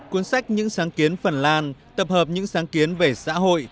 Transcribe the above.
cuốn sách những sáng kiến phần lan tập hợp những sáng kiến về xã hội